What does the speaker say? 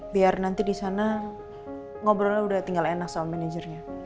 biar nanti di sana ngobrolnya udah tinggal enak sama manajernya